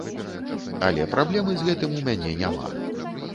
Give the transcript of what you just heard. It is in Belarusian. Але праблемы з гэтым у мяне няма.